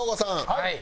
はい。